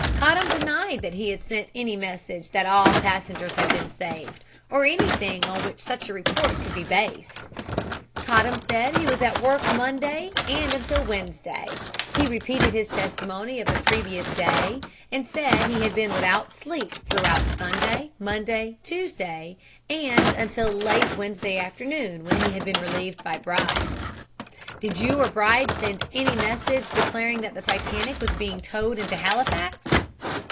Cottam denied that he had sent any message that all passengers had been saved, or anything on which such a report could be based. Cottam said he was at work Monday and until Wednesday. He repeated his testimony of the previous day and said he had been without sleep throughout Sunday, Monday, Tuesday and until late Wednesday afternoon when he had been relieved by Bride. "Did you or Bride send any message declaring that the Titanic was being towed into Halifax?"